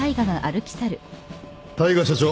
大海社長